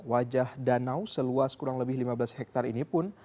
wajah danau seluas kurang lebih lima belas hektare ini pun